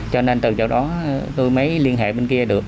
cho nên từ chỗ đó tôi mới liên hệ bên kia được